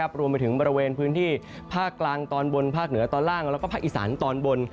บริเวณพื้นที่ภาคกลางตอนบนภาคเหนือตอนล่างแล้วก็ภาคอิสรรค์ตอนบน